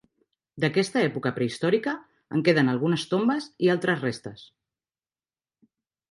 D'aquesta època prehistòrica en queden algunes tombes i altres restes.